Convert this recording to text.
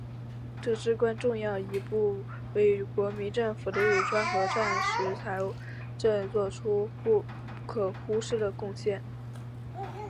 这至关重要一步为国民政府的入川和战时财政作出了不可忽视的贡献。